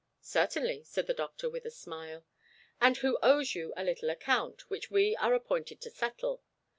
"Certainly," said the doctor, with a smile. "And who owes you a little account, which we are appointed to settle."